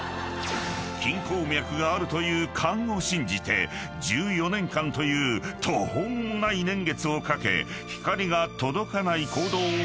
［金鉱脈があるという勘を信じて１４年間という途方もない年月をかけ光が届かない］